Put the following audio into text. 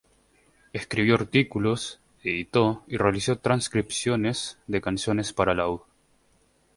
Escribió artículos, editó y realizó transcripciones de canciones para laúd.